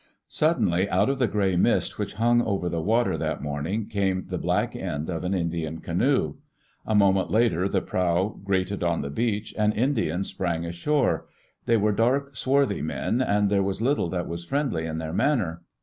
Suddenly, out from the gray mist which hung over the water that morning, came the black end of an Indian canoe. [i88] Digitized by CjOOQ IC EARLY ADVENTURES IN SEATTLE A moment later the prow grated on the beach, and Indians sprang ashore. They were dark, swarthy men, and there was little that was friendly in their manner.